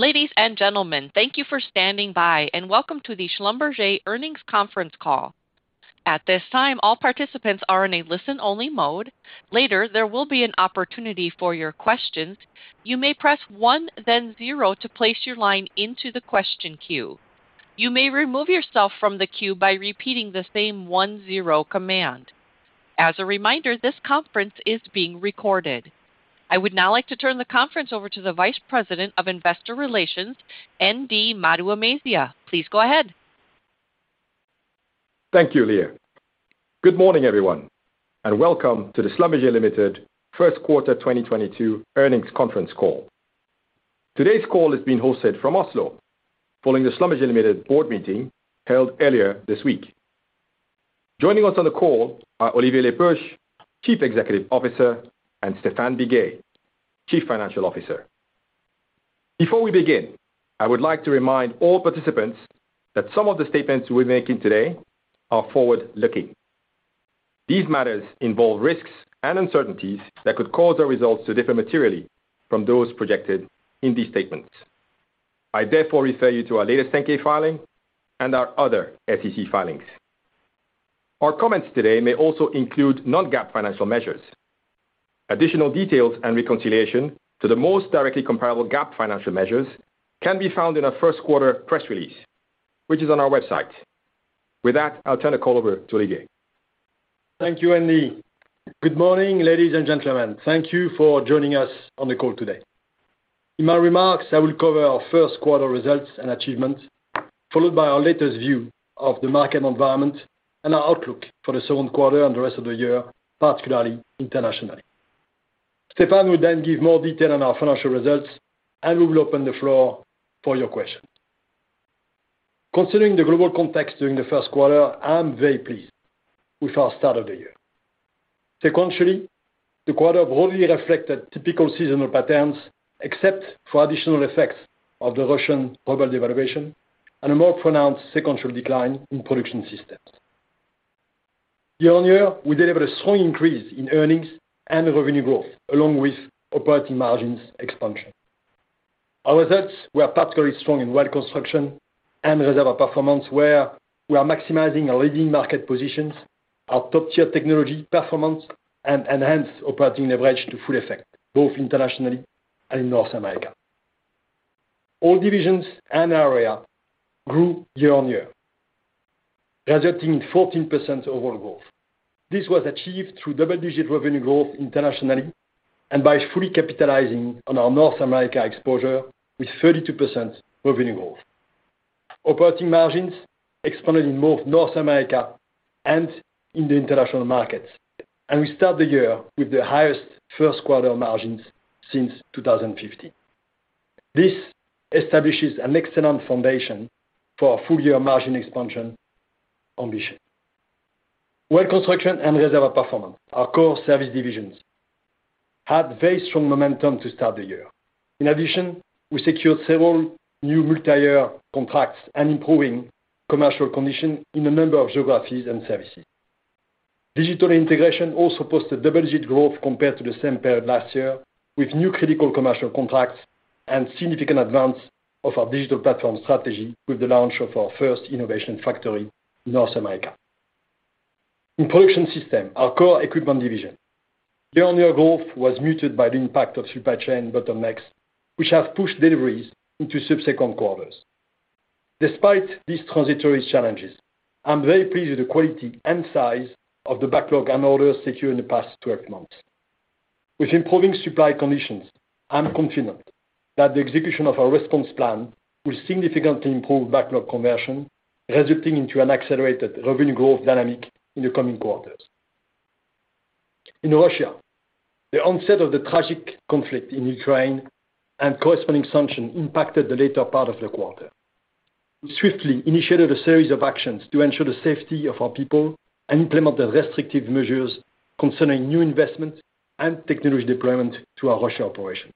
Ladies and gentlemen, thank you for standing by, and welcome to the Schlumberger Earnings Conference Call. At this time, all participants are in a listen-only mode. Later, there will be an opportunity for your questions. You may press one then zero to place your line into the question queue. You may remove yourself from the queue by repeating the same one zero command. As a reminder, this conference is being recorded. I would now like to turn the conference over to the Vice President of Investor Relations, ND Maduemezia. Please go ahead. Thank you, Leah. Good morning, everyone, and welcome to the Schlumberger Limited First Quarter 2022 Earnings Conference Call. Today's call is being hosted from Oslo, following the Schlumberger Limited board meeting held earlier this week. Joining us on the call are Olivier Le Peuch, Chief Executive Officer, and Stéphane Biguet, Chief Financial Officer. Before we begin, I would like to remind all participants that some of the statements we're making today are forward-looking. These matters involve risks and uncertainties that could cause our results to differ materially from those projected in these statements. I therefore refer you to our latest 10-K filing and our other SEC filings. Our comments today may also include non-GAAP financial measures. Additional details and reconciliation to the most directly comparable GAAP financial measures can be found in our first quarter press release, which is on our website. With that, I'll turn the call over to Olivier. Thank you, ND. Good morning, ladies and gentlemen. Thank you for joining us on the call today. In my remarks, I will cover our first quarter results and achievements, followed by our latest view of the market environment and our outlook for the second quarter and the rest of the year, particularly internationally. Stéphane will then give more detail on our financial results, and we will open the floor for your questions. Considering the global context during the first quarter, I am very pleased with our start of the year. Sequentially, the quarter broadly reflected typical seasonal patterns, except for additional effects of the Russian ruble devaluation and a more pronounced sequential decline in Production Systems. Year-on-year, we delivered a strong increase in earnings and revenue growth, along with operating margins expansion. Our results were particularly strong in Well Construction and Reservoir Performance, where we are maximizing our leading market positions, our top-tier technology performance, and enhanced operating leverage to full effect, both internationally and in North America. All divisions and area grew year-on-year, resulting in 14% overall growth. This was achieved through double-digit revenue growth internationally and by fully capitalizing on our North America exposure with 32% revenue growth. Operating margins expanded in both North America and in the international markets, and we start the year with the highest first quarter margins since 2015. This establishes an excellent foundation for our full-year margin expansion ambition. Well Construction and Reservoir Performance, our core service divisions, had very strong momentum to start the year. In addition, we secured several new multi-year contracts and improving commercial condition in a number of geographies and services. Digital & Integration also posted double-digit growth compared to the same period last year, with new critical commercial contracts and significant advance of our digital platform strategy with the launch of our first Innovation Factori in North America. In Production Systems, our core equipment division, year-on-year growth was muted by the impact of supply chain bottlenecks, which have pushed deliveries into subsequent quarters. Despite these transitory challenges, I'm very pleased with the quality and size of the backlog and orders secured in the past 12 months. With improving supply conditions, I'm confident that the execution of our response plan will significantly improve backlog conversion, resulting in an accelerated revenue growth dynamic in the coming quarters. In Russia, the onset of the tragic conflict in Ukraine and corresponding sanctions impacted the later part of the quarter. We swiftly initiated a series of actions to ensure the safety of our people and implement restrictive measures concerning new investment and technology deployment to our Russia operation.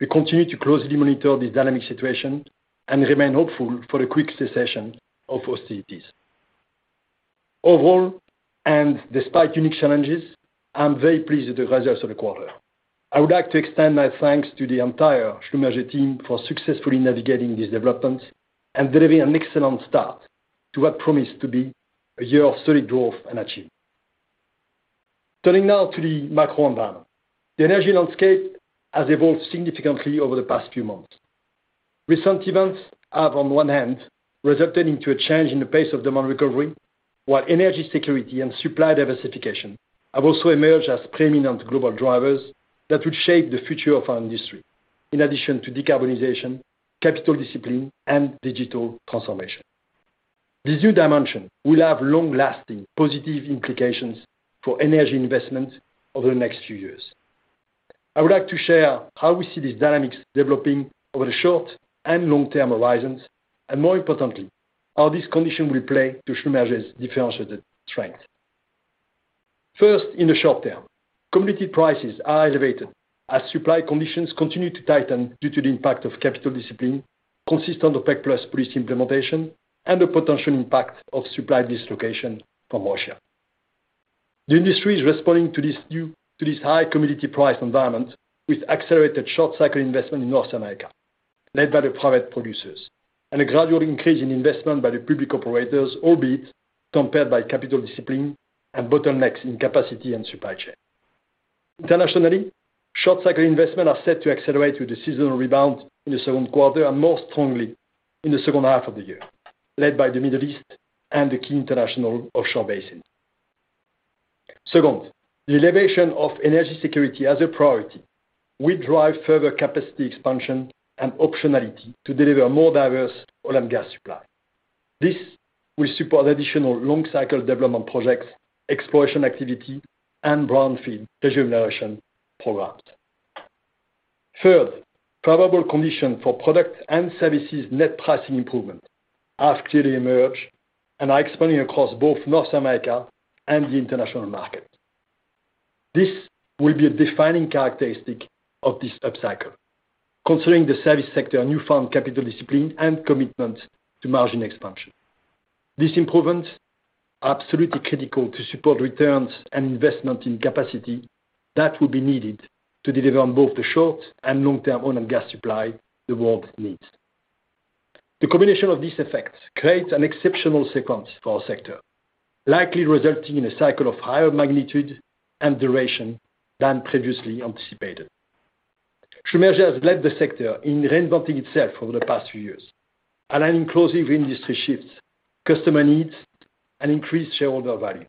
We continue to closely monitor the dynamic situation and remain hopeful for a quick cessation of hostilities. Overall, and despite unique challenges, I'm very pleased with the results of the quarter. I would like to extend my thanks to the entire Schlumberger team for successfully navigating these developments and delivering an excellent start to what promise to be a year of solid growth and achievement. Turning now to the macro environment. The energy landscape has evolved significantly over the past few months. Recent events have, on one hand, resulted into a change in the pace of demand recovery, while energy security and supply diversification have also emerged as preeminent global drivers that would shape the future of our industry, in addition to decarbonization, capital discipline, and digital transformation. This new dimension will have long-lasting positive implications for energy investment over the next few years. I would like to share how we see these dynamics developing over the short and long-term horizons, and more importantly, how this condition will play to Schlumberger's differentiated strength. First, in the short term, commodity prices are elevated as supply conditions continue to tighten due to the impact of capital discipline, consistent OPEC+ policy implementation and the potential impact of supply dislocation from Russia. The industry is responding to this high-commodity price environment with accelerated short-cycle investment in North America, led by the private producers, and a gradual increase in investment by the public operators, albeit constrained by capital discipline and bottlenecks in capacity and supply chain. Internationally, short-cycle investment are set to accelerate with the seasonal rebound in the second quarter and more strongly in the second half of the year, led by the Middle East and the key international offshore basin. Second, the elevation of energy security as a priority will drive further capacity expansion and optionality to deliver more diverse oil and gas supply. This will support additional long-cycle development projects, exploration activity, and brownfield rejuvenation programs. Third, favorable condition for product and services net pricing improvement have clearly emerged and are expanding across both North America and the international market. This will be a defining characteristic of this upcycle, considering the service sector newfound capital discipline and commitment to margin expansion. These improvements are absolutely critical to support returns and investment in capacity that will be needed to deliver on both the short- and long-term oil and gas supply the world needs. The combination of these effects creates an exceptional sequence for our sector, likely resulting in a cycle of higher magnitude and duration than previously anticipated. Schlumberger has led the sector in reinventing itself over the past few years, aligning closely with industry shifts, customer needs, and increased shareholder value.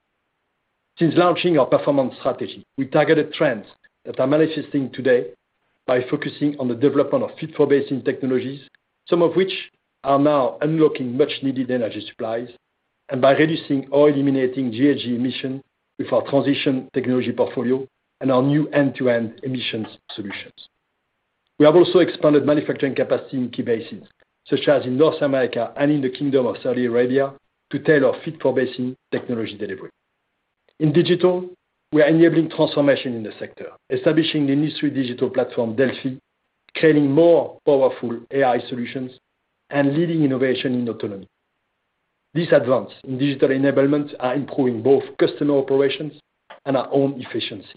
Since launching our performance strategy, we targeted trends that are manifesting today by focusing on the development of fit-for-basin technologies, some of which are now unlocking much-needed energy supplies, and by reducing or eliminating GHG emission with our transition technology portfolio and our new end-to-end emissions solutions. We have also expanded manufacturing capacity in key basins, such as in North America and in the Kingdom of Saudi Arabia, to tailor fit-for-basin technology delivery. In digital, we are enabling transformation in the sector, establishing the industry digital platform, Delfi, creating more powerful AI solutions, and leading innovation in autonomy. These advance in digital enablement are improving both customer operations and our own efficiency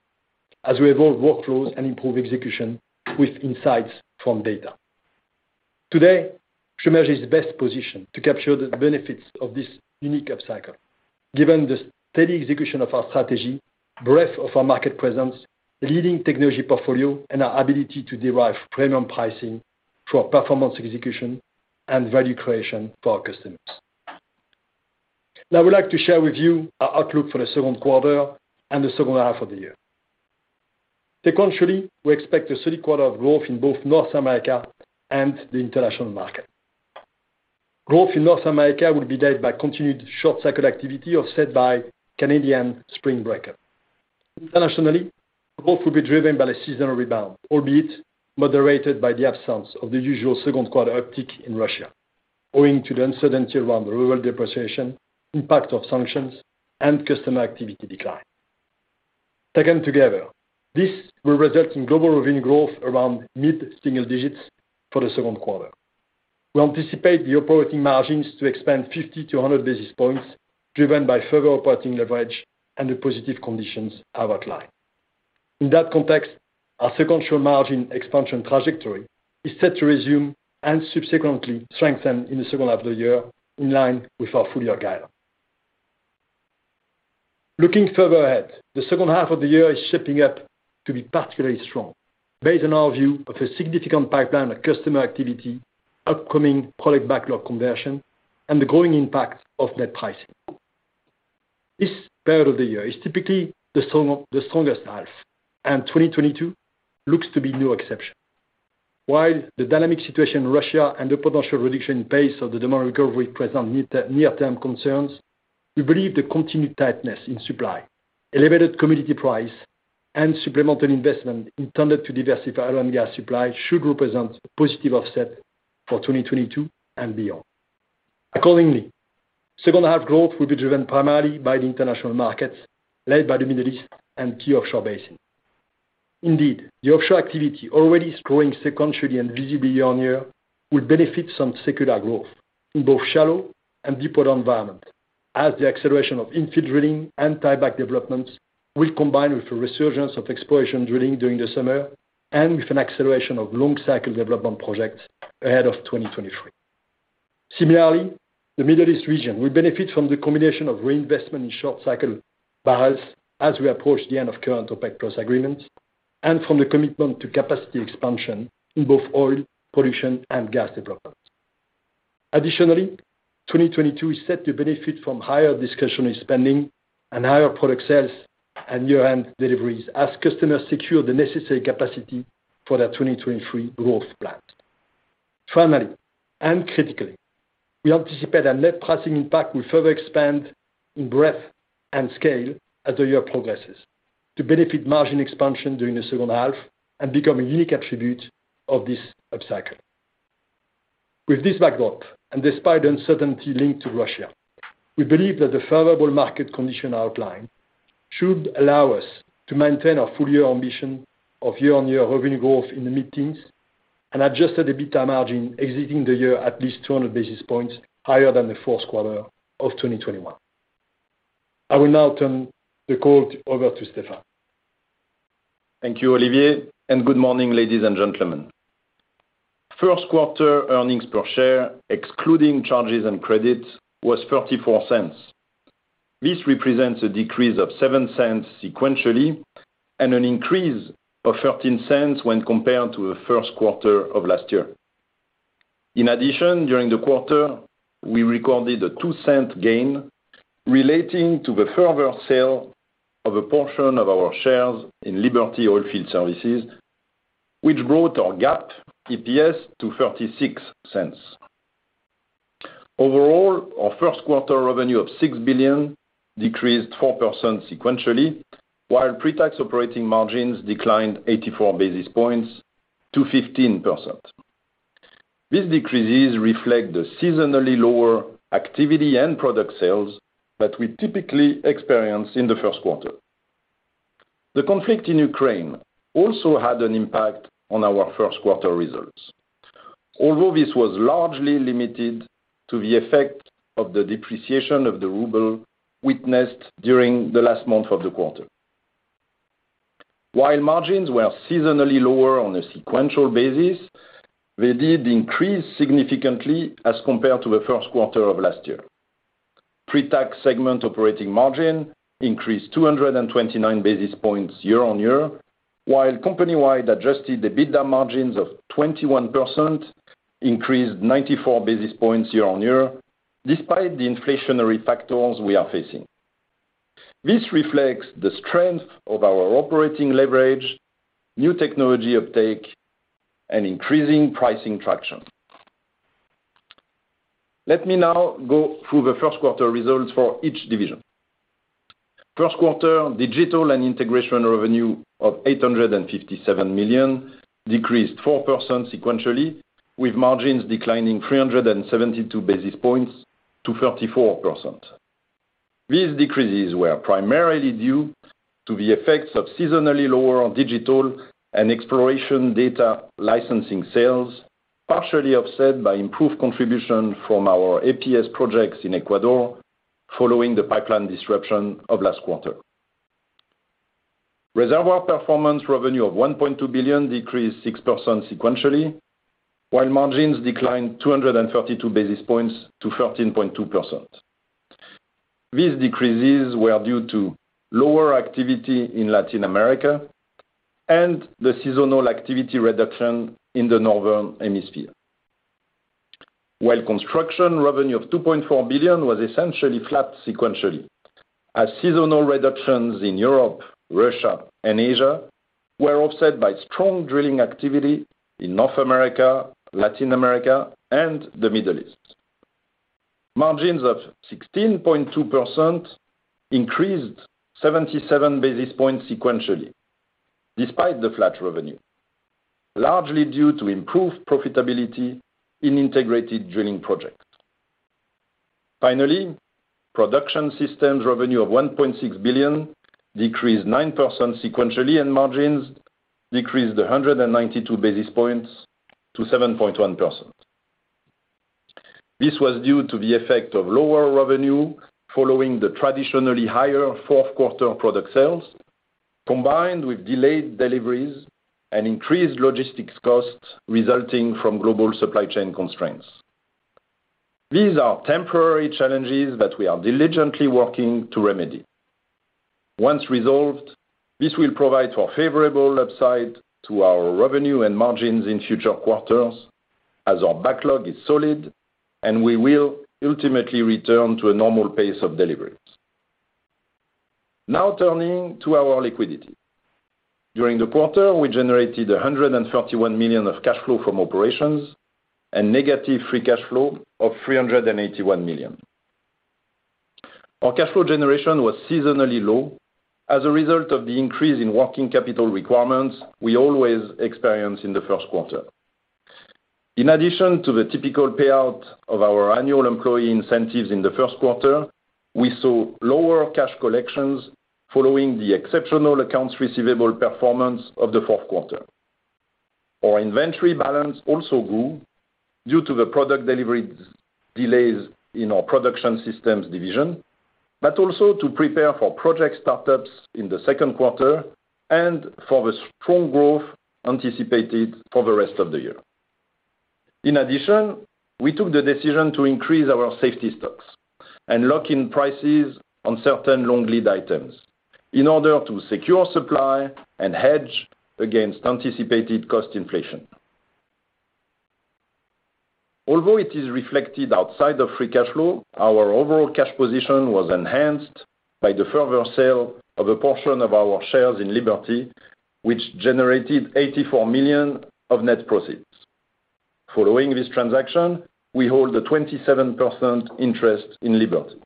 as we evolve workflows and improve execution with insights from data. Today, Schlumberger is best positioned to capture the benefits of this unique upcycle given the steady execution of our strategy, breadth of our market presence, the leading technology portfolio, and our ability to derive premium pricing through our performance execution and value creation for our customers. Now, I would like to share with you our outlook for the second quarter and the second half of the year. Sequentially, we expect a solid quarter of growth in both North America and the international market. Growth in North America will be led by continued short-cycle activity offset by Canadian spring breakup. Internationally, growth will be driven by a seasonal rebound, albeit moderated by the absence of the usual second quarter uptick in Russia owing to the uncertainty around ruble depreciation, impact of sanctions, and customer activity decline. Taken together, this will result in global revenue growth around mid-single digits for the second quarter. We anticipate the operating margins to expand 50 basis points to 100 basis points, driven by further operating leverage and the positive conditions I've outlined. In that context, our sequential margin expansion trajectory is set to resume and subsequently strengthen in the second half of the year in line with our full-year guidance. Looking further ahead, the second half of the year is shaping up to be particularly strong based on our view of a significant pipeline of customer activity, upcoming product backlog conversion, and the growing impact of net pricing. This part of the year is typically the strongest half, and 2022 looks to be no exception. While the dynamic situation in Russia and the potential reduction in pace of the demand recovery present near-term concerns, we believe the continued tightness in supply, elevated commodity price, and supplemental investment intended to diversify oil and gas supply should represent a positive offset for 2022 and beyond. Accordingly, second half growth will be driven primarily by the international markets, led by the Middle East and key offshore basin. Indeed, the offshore activity already is growing sequentially and visibly year-on-year will benefit some secular growth in both shallow and deeper environment as the acceleration of infill drilling and tieback developments will combine with a resurgence of exploration drilling during the summer and with an acceleration of long-cycle development projects ahead of 2023. Similarly, the Middle East region will benefit from the combination of reinvestment in short-cycle barrels as we approach the end of current OPEC+ agreements and from the commitment to capacity expansion in both oil production and gas developments. Additionally, 2022 is set to benefit from higher discretionary spending and higher product sales and year-end deliveries as customers secure the necessary capacity for their 2023 growth plans. Finally, and critically, we anticipate our net pricing impact will further expand in breadth and scale as the year progresses to benefit margin expansion during the second half and become a unique attribute of this upcycle. With this backdrop, and despite the uncertainty linked to Russia, we believe that the favorable market condition outlined should allow us to maintain our full-year ambition of year-on-year revenue growth in the mid-teens. Adjusted EBITDA margin exiting the year at least 200 basis points higher than the fourth quarter of 2021. I will now turn the call over to Stéphane. Thank you, Olivier, and good morning, ladies and gentlemen. First quarter earnings per share excluding charges and credits was $0.34. This represents a decrease of $0.07 sequentially and an increase of $0.13 when compared to the first quarter of last year. In addition, during the quarter, we recorded a $0.02 gain relating to the further sale of a portion of our shares in Liberty Oilfield Services, which brought our GAAP EPS to $0.36. Overall, our first quarter revenue of $6 billion decreased 4% sequentially, while pre-tax operating margins declined 84 basis points to 15%. These decreases reflect the seasonally lower activity and product sales that we typically experience in the first quarter. The conflict in Ukraine also had an impact on our first quarter results. Although this was largely limited to the effect of the depreciation of the ruble witnessed during the last month of the quarter. While margins were seasonally lower on a sequential basis, they did increase significantly as compared to the first quarter of last year. Pre-tax segment operating margin increased 229 basis points year-on-year, while company-wide adjusted EBITDA margins of 21% increased 94 basis points year-on-year, despite the inflationary factors we are facing. This reflects the strength of our operating leverage, new technology uptake, and increasing pricing traction. Let me now go through the first quarter results for each division. First quarter Digital & Integration revenue of $857 million decreased 4% sequentially, with margins declining 372 basis points to 34%. These decreases were primarily due to the effects of seasonally lower digital and exploration data licensing sales, partially offset by improved contribution from our APS projects in Ecuador following the pipeline disruption of last quarter. Reservoir Performance revenue of $1.2 billion decreased 6% sequentially, while margins declined 232 basis points to 13.2%. These decreases were due to lower activity in Latin America and the seasonal activity reduction in the northern hemisphere. Well Construction revenue of $2.4 billion was essentially flat sequentially, as seasonal reductions in Europe, Russia, and Asia were offset by strong drilling activity in North America, Latin America, and the Middle East. Margins of 16.2% increased 77 basis points sequentially despite the flat revenue, largely due to improved profitability in integrated drilling projects. Finally, Production Systems revenue of $1.6 billion decreased 9% sequentially, and margins decreased 192 basis points to 7.1%. This was due to the effect of lower revenue following the traditionally higher fourth quarter product sales, combined with delayed deliveries and increased logistics costs resulting from global supply chain constraints. These are temporary challenges that we are diligently working to remedy. Once resolved, this will provide for favorable upside to our revenue and margins in future quarters as our backlog is solid, and we will ultimately return to a normal pace of deliveries. Now turning to our liquidity. During the quarter, we generated $131 million of cash flow from operations and negative free cash flow of $381 million. Our cash flow generation was seasonally low as a result of the increase in working capital requirements we always experience in the first quarter. In addition to the typical payout of our annual employee incentives in the first quarter, we saw lower cash collections following the exceptional accounts receivable performance of the fourth quarter. Our inventory balance also grew due to the product delivery delays in our Production Systems division, but also to prepare for project startups in the second quarter and for the strong growth anticipated for the rest of the year. In addition, we took the decision to increase our safety stocks and lock in prices on certain long lead items in order to secure supply and hedge against anticipated cost inflation. Although it is reflected outside of free cash flow, our overall cash position was enhanced by the further sale of a portion of our shares in Liberty, which generated $84 million of net proceeds. Following this transaction, we hold a 27% interest in Liberty.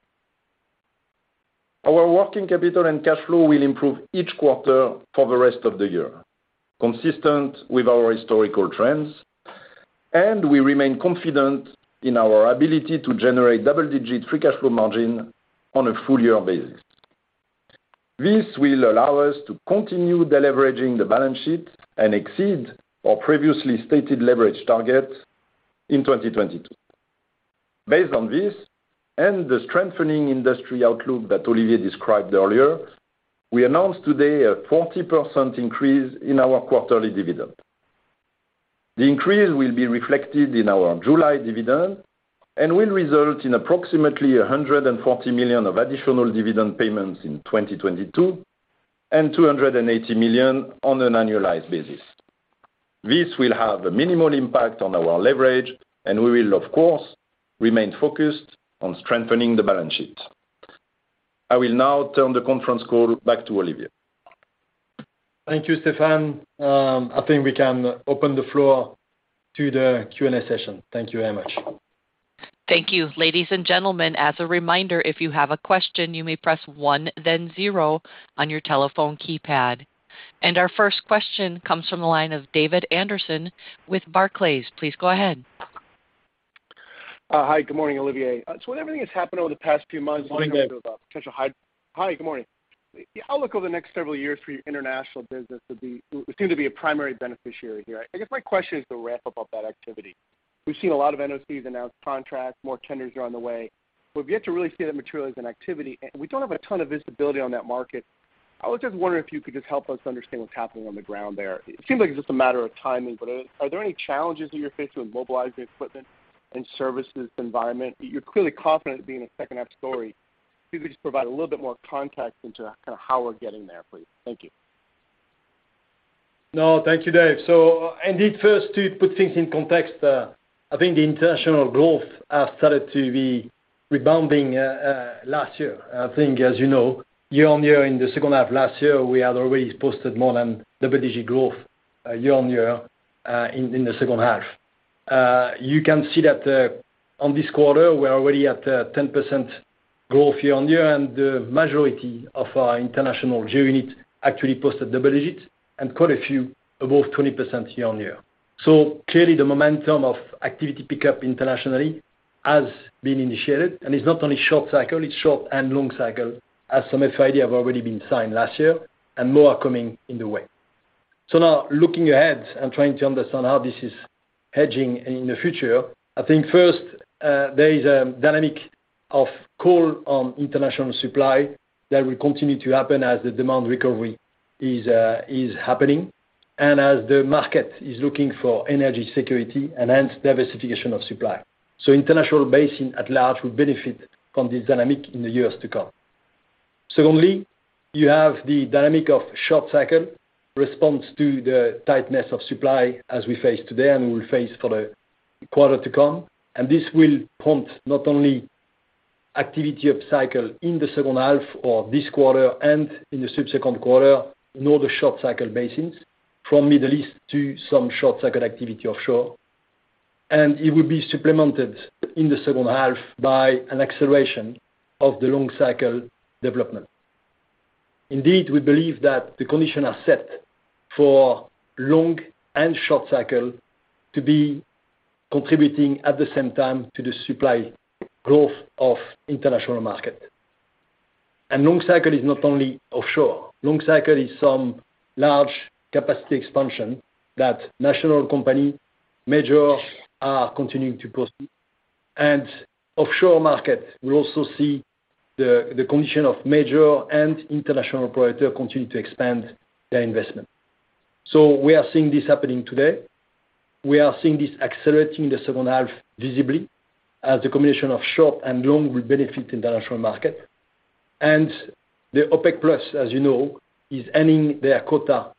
Our working capital and cash flow will improve each quarter for the rest of the year, consistent with our historical trends, and we remain confident in our ability to generate double-digit free cash flow margin on a full-year basis. This will allow us to continue deleveraging the balance sheet and exceed our previously stated leverage targets in 2022. Based on this and the strengthening industry outlook that Olivier described earlier, we announced today a 40% increase in our quarterly dividend. The increase will be reflected in our July dividend and will result in approximately $140 million of additional dividend payments in 2022, and $280 million on an annualized basis. This will have a minimal impact on our leverage, and we will of course remain focused on strengthening the balance sheet. I will now turn the conference call back to Olivier. Thank you, Stéphane. I think we can open the floor to the Q&A session. Thank you very much. Thank you. Ladies and gentlemen, as a reminder, if you have a question, you may press one then zero on your telephone keypad. Our first question comes from the line of David Anderson with Barclays. Please go ahead. Hi, good morning, Olivier. When everything has happened over the past few months— Good day. Hi. Good morning. The outlook over the next several years for your international business would seem to be a primary beneficiary here. I guess my question is the ramp up of that activity. We've seen a lot of NOCs announce contracts, more tenders are on the way, but we have yet to really see that materialize in activity, and we don't have a ton of visibility on that market. I was just wondering if you could just help us understand what's happening on the ground there. It seems like it's just a matter of timing, but are there any challenges that you're facing with mobilizing equipment and services environment? You're clearly confident being a second half story. If you could just provide a little bit more context into kind of how we're getting there, please. Thank you. No, thank you, Dave. Indeed, first, to put things in context, I think the international growth has started to be rebounding last year. I think, as you know, year-on-year in the second half of last year, we had already posted more than double-digit growth, year-on-year, in the second half. You can see that, in this quarter, we're already at 10% growth year-on-year, and the majority of our international unit actually posted double digits and quite a few above 20% year-on-year. Clearly, the momentum of activity pickup internationally has been initiated, and it's not only short cycle, it's short and long cycle as some FID have already been signed last year and more are coming on the way. Now looking ahead and trying to understand how this is heading in the future, I think first, there is a dynamic of call on international supply that will continue to happen as the demand recovery is happening and as the market is looking for energy security and hence diversification of supply. International basins at large will benefit from this dynamic in the years to come. Secondly, you have the dynamic of short-cycle response to the tightness of supply as we face today and will face for the quarter to come. This will prompt not only activity of cycle in the second half or this quarter and in the subsequent quarter in all the short-cycle basins, from Middle East to some short-cycle activity offshore. It will be supplemented in the second half by an acceleration of the long-cycle development. Indeed, we believe that the conditions are set for long and short cycle to be contributing at the same time to the supply growth of international market. Long cycle is not only offshore. Long cycle is some large capacity expansion that national company major are continuing to proceed. Offshore market will also see the condition of major and international operator continue to expand their investment. We are seeing this happening today. We are seeing this accelerating in the second half visibly as a combination of short and long will benefit international market. The OPEC+, as you know, is ending their quota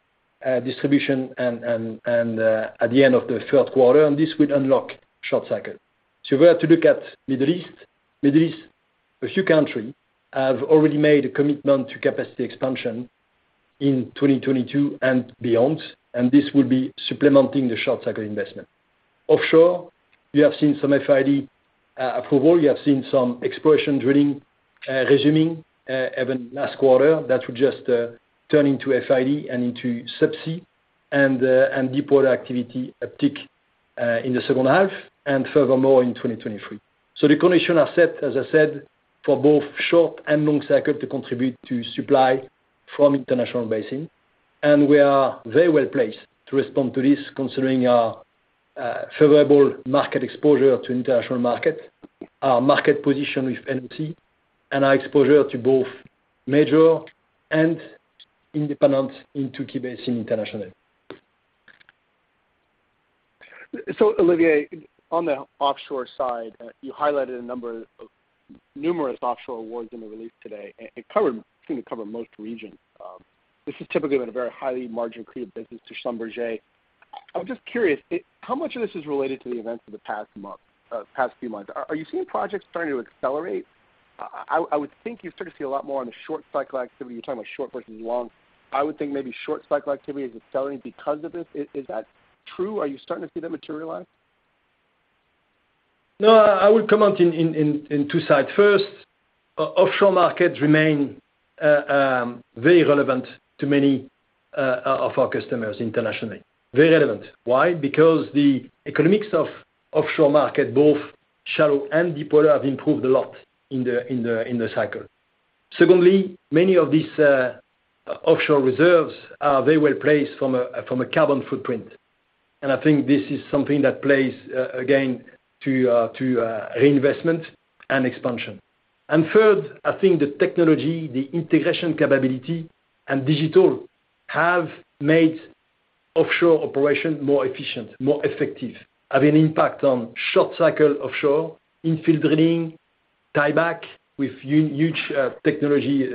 distribution and at the end of the third quarter, and this will unlock short cycle. If we are to look at Middle East. Middle East, a few countries have already made a commitment to capacity expansion in 2022 and beyond, and this will be supplementing the short-cycle investment. Offshore, you have seen some FID approval, you have seen some exploration drilling resuming even last quarter. That will just turn into FID and into subsea and deepwater activity uptick in the second half and furthermore in 2023. The conditions are set, as I said, for both short and long cycle to contribute to supply from international basin. We are very well placed to respond to this considering our favorable market exposure to international market, our market position with NOC, and our exposure to both major and independent into key basin internationally. Olivier, on the offshore side, you highlighted numerous offshore awards in the release today and covered what seemed to cover most regions. This is typically been a very high-margin lucrative business to Schlumberger. I'm just curious, how much of this is related to the events of the past month, past few months? Are you seeing projects starting to accelerate? I would think you're starting to see a lot more on the short-cycle activity. You're talking about short versus long. I would think maybe short-cycle activity is accelerating because of this. Is that true? Are you starting to see that materialize? No. I would comment in two sides. First, offshore markets remain very relevant to many of our customers internationally. Very relevant. Why? Because the economics of offshore market, both shallow and deep water, have improved a lot in the cycle. Secondly, many of these offshore reserves are very well placed from a carbon footprint. I think this is something that plays again to reinvestment and expansion. Third, I think the technology, the integration capability and digital have made offshore operations more efficient, more effective, have an impact on short cycle offshore, infill drilling, tieback with huge technology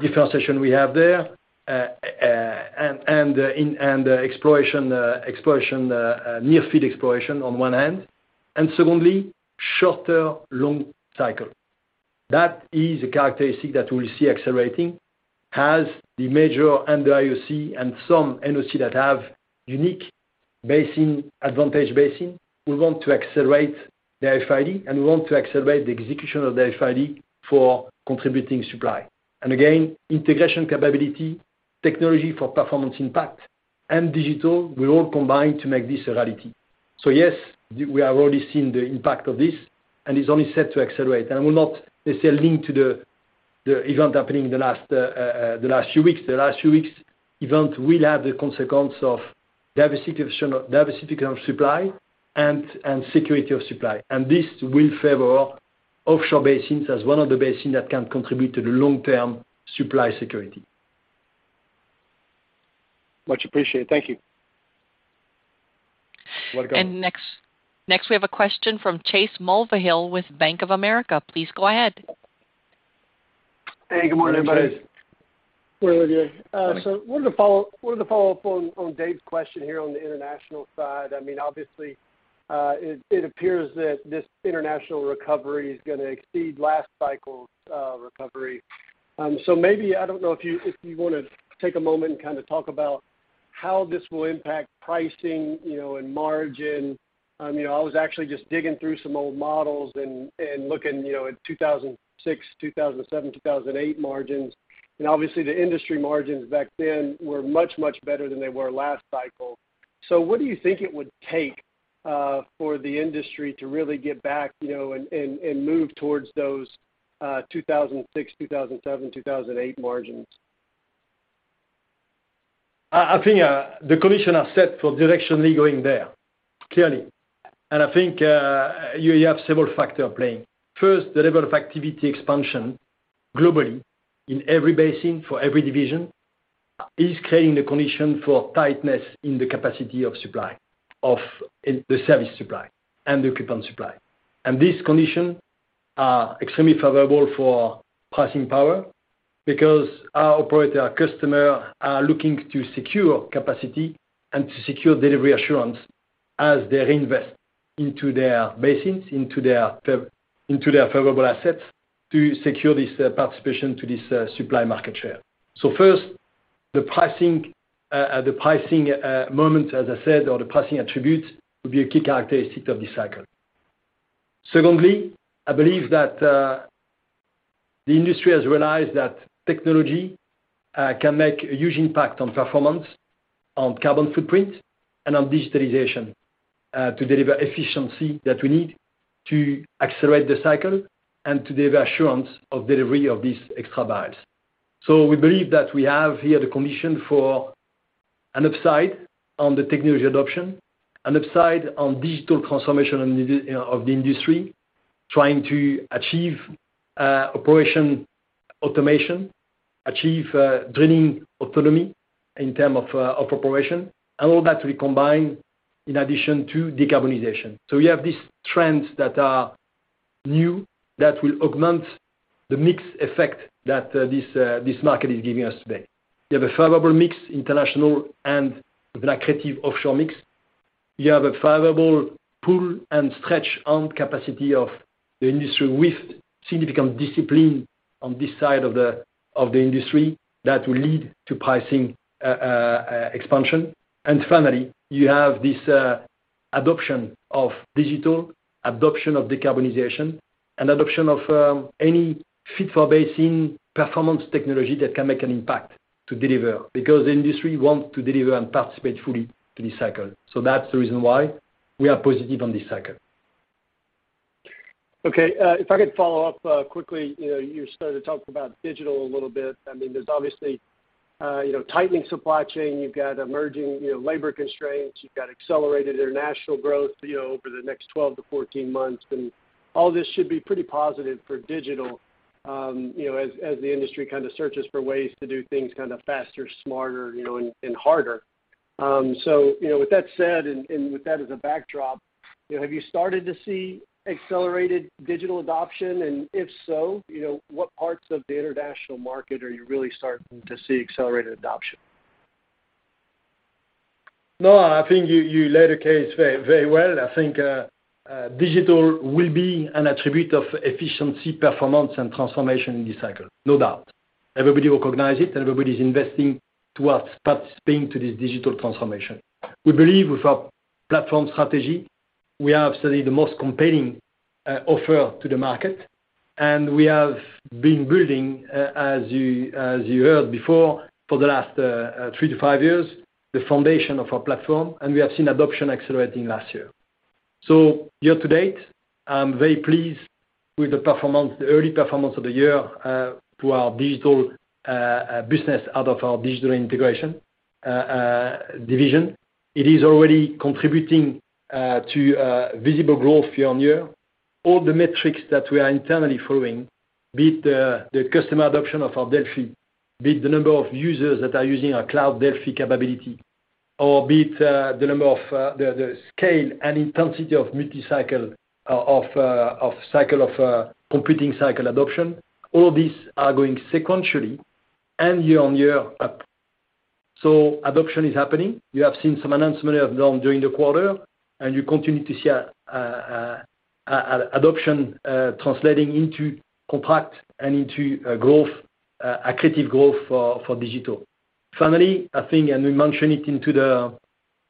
differentiation we have there, and in exploration, near-field exploration on one hand, and secondly, shorter long cycle. That is a characteristic that we'll see accelerating as the major and the IOC and some NOC that have unique basin, advantage basin, we want to accelerate their FID, and we want to accelerate the execution of their FID for contributing supply. Again, integration capability, technology for performance impact, and digital, will all combine to make this a reality. Yes, we have already seen the impact of this, and it's only set to accelerate. I will not necessarily link to the event happening in the last few weeks. The last few weeks' event will have the consequence of diversification of supply and security of supply. This will favor offshore basins as one of the basins that can contribute to the long-term supply security. Much appreciated. Thank you. Welcome. Next we have a question from Chase Mulvehill with Bank of America. Please go ahead. Hey, good morning, everybody. Morning, Chase. Wanted to follow up on Dave's question here on the international side. I mean, obviously, it appears that this international recovery is gonna exceed last cycle's recovery. Maybe I don't know if you wanna take a moment and kind of talk about how this will impact pricing, you know, and margin. You know, I was actually just digging through some old models and looking, you know, at 2006, 2007, 2008 margins. Obviously, the industry margins back then were much better than they were last cycle. What do you think it would take for the industry to really get back, you know, and move towards those 2006, 2007, 2008 margins? I think the conditions are set for directionally going there, clearly. I think you have several factors playing. First, the level of activity expansion globally in every basin for every division is creating the condition for tightness in the capacity of supply, of the service supply and the equipment supply. These conditions are extremely favorable for pricing power because our operator, our customer are looking to secure capacity and to secure delivery assurance as they reinvest into their basins, into their favorable assets to secure this participation to this supply market share. First, the pricing moment, as I said, or the pricing attributes will be a key characteristic of this cycle. Secondly, I believe that the industry has realized that technology can make a huge impact on performance, on carbon footprint, and on digitalization to deliver efficiency that we need to accelerate the cycle and to give assurance of delivery of these extra barrels. We believe that we have here the condition for an upside on the technology adoption, an upside on digital transformation, you know, of the industry, trying to achieve operation automation, achieve drilling autonomy in term of of operation, and all that we combine in addition to decarbonization. We have these trends that are new that will augment the mix effect that this this market is giving us today. You have a favorable mix, international and lucrative offshore mix. You have a favorable pull and stretch on capacity of the industry with significant discipline on this side of the industry that will lead to pricing expansion. Finally, you have this adoption of digital, adoption of decarbonization, and adoption of any fit-for-basin performance technology that can make an impact to deliver, because the industry wants to deliver and participate fully in this cycle. That's the reason why we are positive on this cycle. Okay, if I could follow up quickly. You know, you started to talk about digital a little bit. I mean, there's obviously you know, tightening supply chain. You've got emerging you know, labor constraints. You've got accelerated international growth you know, over the next 12-14 months. All this should be pretty positive for digital you know, as the industry kind of searches for ways to do things kind of faster, smarter, you know, and harder. You know, with that said, and with that as a backdrop, you know, have you started to see accelerated digital adoption? And if so, you know, what parts of the international market are you really starting to see accelerated adoption? No, I think you laid the case very, very well. I think digital will be an attribute of efficiency, performance, and transformation in this cycle, no doubt. Everybody recognize it, everybody's investing to participate to this digital transformation. We believe with our platform strategy, we have certainly the most compelling offer to the market. We have been building, as you heard before, for the last three-five years, the foundation of our platform, and we have seen adoption accelerating last year. Year-to-date, I'm very pleased with the performance, the early performance of the year to our digital business out of our Digital & Integration division. It is already contributing to visible growth year-on-year. All the metrics that we are internally following, be it the customer adoption of our Delfi, be it the number of users that are using our cloud Delfi capability, or be it the number of the scale and intensity of multi-cycle, of cycle of computing cycle adoption. All these are going sequentially and year-on-year up. Adoption is happening. You have seen some announcement we have done during the quarter, and you continue to see adoption translating into contracts and into growth, accretive growth for digital. Finally, I think we mention it in the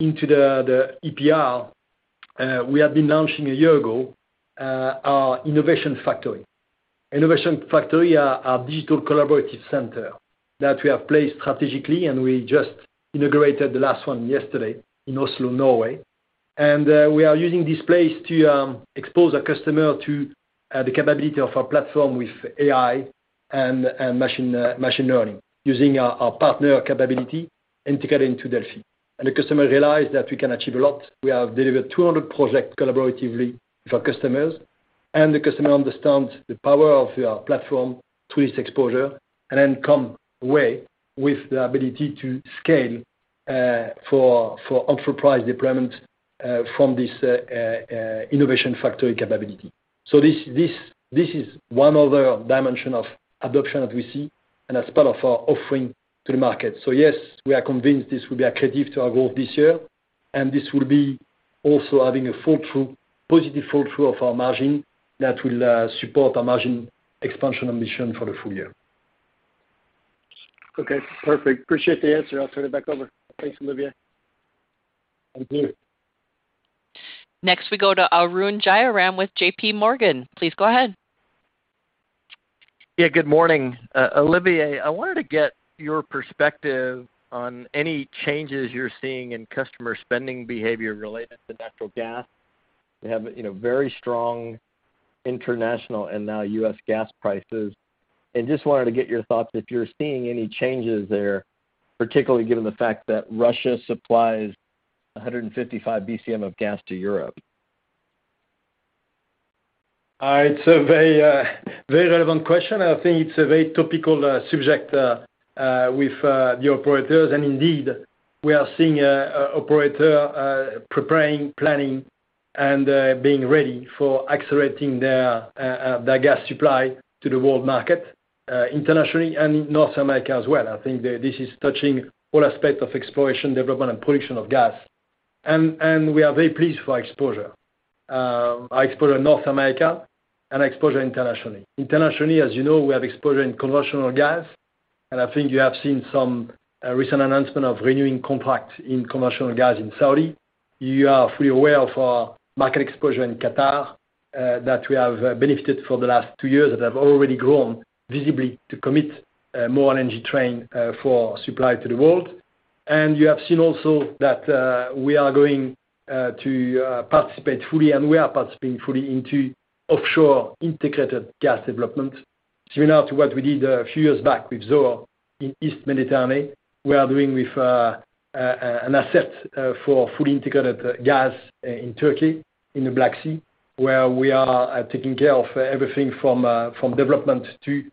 EPR we have been launching a year ago our Innovation Factori. Innovation Factori are a digital collaborative center that we have placed strategically, and we just integrated the last one yesterday in Oslo, Norway. We are using this place to expose our customer to the capability of our platform with AI and machine learning using our partner capability integrated into Delfi. The customer realize that we can achieve a lot. We have delivered 200 project collaboratively with our customers, and the customer understands the power of our platform through this exposure and then come away with the ability to scale for enterprise deployment from this Innovation Factori capability. This is one other dimension of adoption that we see and as part of our offering to the market. Yes, we are convinced this will be accretive to our growth this year, and this will also be having a positive flow-through of our margin that will support our margin expansion ambition for the full year. Okay, perfect. Appreciate the answer. I'll turn it back over. Thanks, Olivier. Thank you. Next we go to Arun Jayaram with JPMorgan. Please go ahead. Yeah, good morning. Olivier, I wanted to get your perspective on any changes you're seeing in customer spending behavior related to natural gas. You have very strong international and now U.S. gas prices. I just wanted to get your thoughts if you're seeing any changes there, particularly given the fact that Russia supplies 155 BCM of gas to Europe. It's a very relevant question. I think it's a very topical subject with the operators. Indeed, we are seeing an operator preparing, planning, and being ready for accelerating their gas supply to the world market internationally and in North America as well. I think this is touching all aspects of exploration, development, and production of gas. We are very pleased for our exposure in North America and exposure internationally. Internationally, as you know, we have exposure in conventional gas, and I think you have seen some recent announcement of renewing contracts in conventional gas in Saudi. You are fully aware of our market exposure in Qatar, that we have benefited for the last two years that have already grown visibly to commit more LNG train for supply to the world. You have seen also that we are going to participate fully, and we are participating fully into offshore integrated gas development. Similar to what we did a few years back with Zohr in East Mediterranean, we are doing with an asset for fully integrated gas in Turkey, in the Black Sea, where we are taking care of everything from development to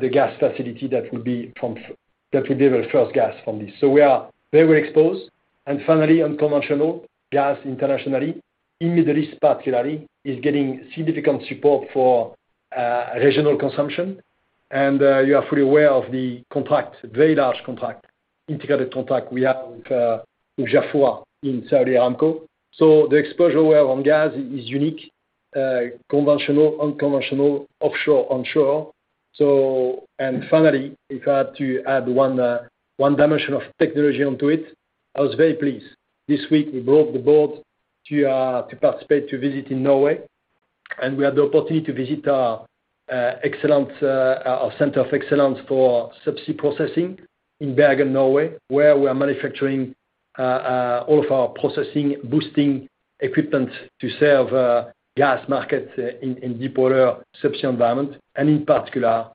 the gas facility that will deliver first gas from this. We are very well exposed. Finally, unconventional gas internationally, in Middle East particularly, is getting significant support for regional consumption. You are fully aware of the contract, very large contract, integrated contract we have with with Jafurah in Saudi Aramco. The exposure we have on gas is unique, conventional, unconventional, offshore, onshore. Finally, if I had to add one dimension of technology onto it, I was very pleased. This week we brought the board to participate, to visit in Norway, and we had the opportunity to visit excellence— our Center of Excellence for subsea processing in Bergen, Norway, where we are manufacturing all of our processing, boosting equipment to serve gas markets in deep water subsea environment and in particular,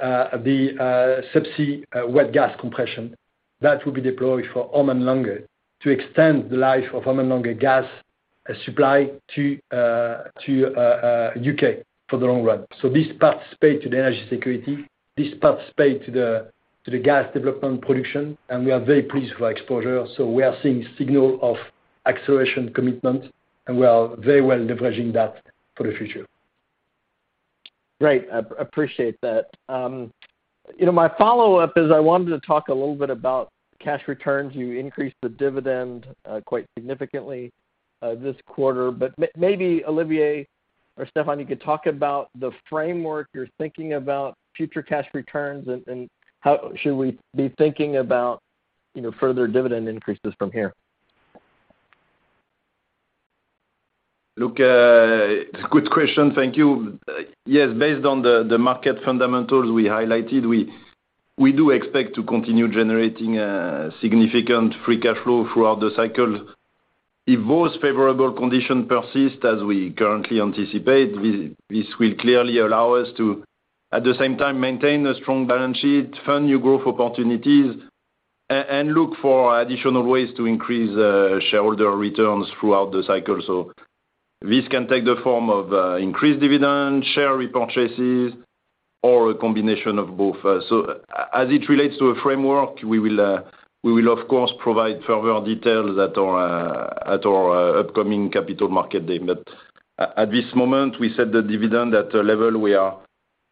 the subsea wet gas compression that will be deployed for Ormen Lange to extend the life of Ormen Lange gas supply to U.K. for the long run. This participate to the energy security. This participate to the gas development production, and we are very pleased for our exposure. We are seeing signal of acceleration commitment, and we are very well leveraging that for the future. Great. Appreciate that. You know, my follow-up is I wanted to talk a little bit about cash returns. You increased the dividend quite significantly this quarter. Maybe Olivier or Stéphane, you could talk about the framework you're thinking about future cash returns and how should we be thinking about, you know, further dividend increases from here? Look, good question. Thank you. Yes, based on the market fundamentals we highlighted, we do expect to continue generating significant free cash flow throughout the cycle. If those favorable conditions persist as we currently anticipate, this will clearly allow us to, at the same time, maintain a strong balance sheet, fund new growth opportunities, and look for additional ways to increase shareholder returns throughout the cycle. This can take the form of increased dividend, share repurchases, or a combination of both. As it relates to a framework, we will of course provide further details at our upcoming Capital Markets Day. At this moment, we set the dividend at a level we are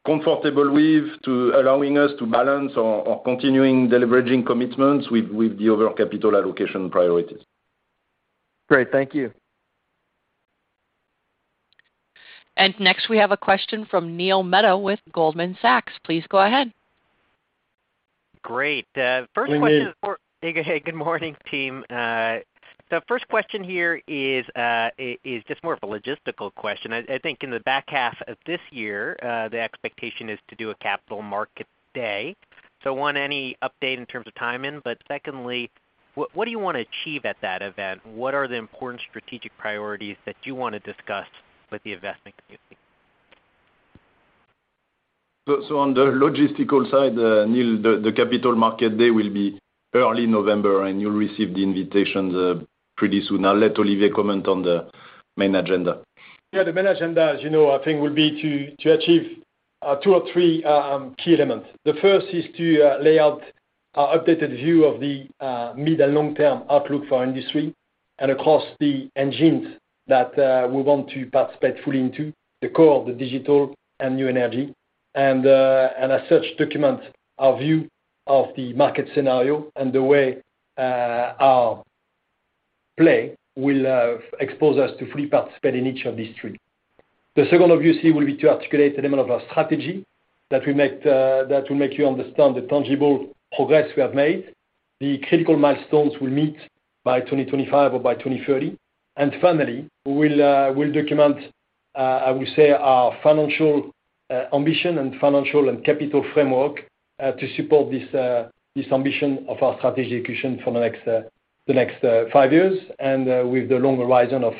comfortable with, allowing us to balance our continuing deleveraging commitments with the overall capital allocation priorities. Great. Thank you. Next, we have a question from Neil Mehta with Goldman Sachs. Please go ahead. Great. Hey, good morning, team. The first question here is just more of a logistical question. I think in the back half of this year, the expectation is to do a Capital Market Day. One, any update in terms of timing, but secondly, what do you want to achieve at that event? What are the important strategic priorities that you want to discuss with the investment community? On the logistical side, Neil, the capital market day will be early November, and you'll receive the invitations pretty soon. I'll let Olivier comment on the main agenda. Yeah. The main agenda, as you know, I think will be to achieve two or three key elements. The first is to lay out our updated view of the mid- and long-term outlook for our industry and across the engines that we want to participate fully into the core of the digital and new energy, and as such, document our view of the market scenario and the way our play will expose us to fully participate in each of these three. The second, obviously, will be to articulate the element of our strategy that will make you understand the tangible progress we have made, the critical milestones we'll meet by 2025 or by 2030. Finally, we'll document our financial ambition and financial and capital framework to support this ambition of our strategy execution for the next five years and with the long horizon of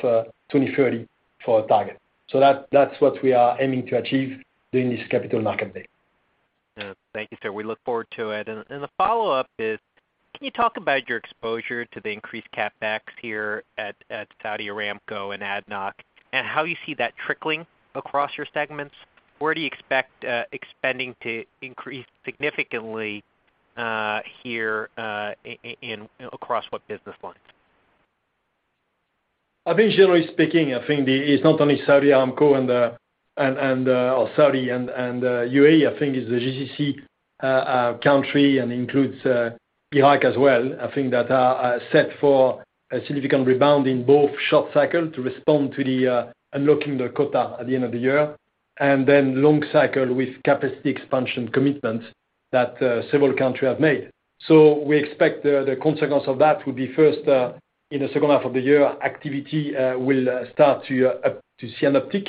2030 for our target. That's what we are aiming to achieve during this Capital Market Day. Thank you, sir. We look forward to it. The follow-up is, can you talk about your exposure to the increased CapEx here at Saudi Aramco and ADNOC and how you see that trickling across your segments? Where do you expect spending to increase significantly here across what business lines? I think generally speaking, it's not only Saudi Aramco and UAE. I think it's the GCC countries and includes Iraq as well. I think that they are set for a significant rebound in both short cycle to respond to the unlocking the quota at the end of the year, and then long cycle with capacity expansion commitments that several countries have made. We expect the consequence of that will be first in the second half of the year, activity will start to, to see an uptick